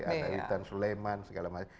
ada hutan suleman segala macam